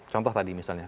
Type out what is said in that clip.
contoh tadi misalnya